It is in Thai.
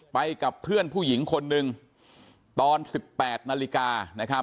ไปกับเพื่อนผู้หญิงคนนึงตอน๑๘นาฬิกานะครับ